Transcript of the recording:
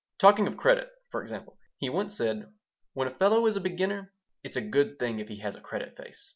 Talking of credit, for example, he once said: "When a fellow is a beginner it's a good thing if he has a credit face."